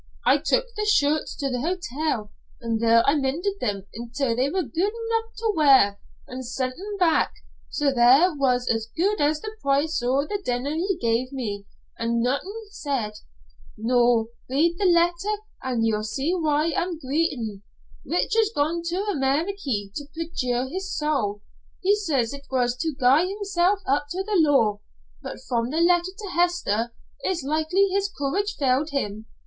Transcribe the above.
I took the shirts to the hotel, an' there I mended them until they were guid enough to wear, an' sent them back. So there was as guid as the price o' the denner he gave me, an' naethin said. Noo read the letter an' ye'll see why I'm greetin'. Richard's gone to Ameriky to perjure his soul. He says it was to gie himsel' up to the law, but from the letter to Hester it's likely his courage failed him.